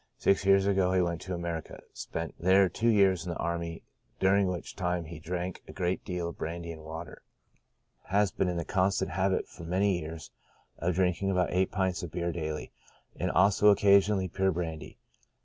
Six years ago he went to America, and spent there two years in the army, during which time he drank a great deal of brandy and water. Has been in the constant habit, for many years, of drinking I06 CHRONIC ALCOHOLISM. about eight pints of beer daily, and also occasionally pure brandy.